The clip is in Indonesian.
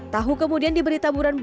tahu kemudian diberi taburan